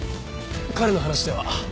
彼の話では。